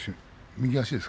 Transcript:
左足です。